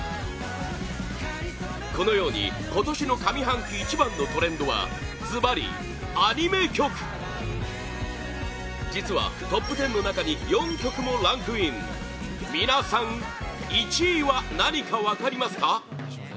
このように今年の上半期一番のトレンドはずばり、アニメ曲実はトップ１０の中に４曲もランクイン皆さん１位は何か分かりますか？